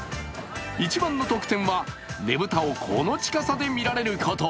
一番の特典はねぶたをこの近さで見られること。